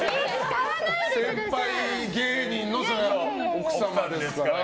先輩芸人の奥さんですから。